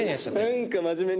何か真面目に。